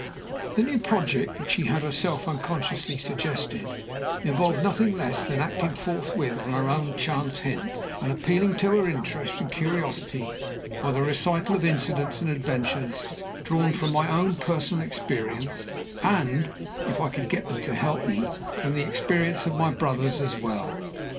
The new project which she had herself unconsciously suggested involved nothing less than acting forthwith on her own chance hint, and appealing to her interest and curiosity by the recital of incidents and adventures drawn from my own personal experience and (if I could get them to help me) from the experience of my brothers as well.